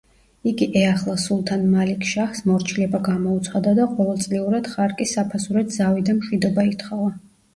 იგი ეახლა სულთან მალიქ-შაჰს, მორჩილება გამოუცხადა და ყოველწლიურად ხარკის საფასურად ზავი და მშვიდობა ითხოვა.